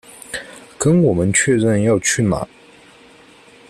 跟我们确认要去哪